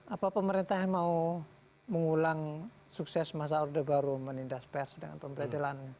apa pemerintah mau mengulang sukses masa order baru menindas pers dengan pembedelan